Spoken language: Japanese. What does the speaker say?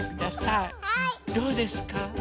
どうですか？